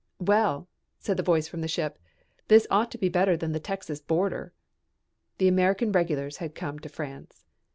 "Well," said the voice from the ship, "this ought to be better than the Texas border." The American regulars had come to France.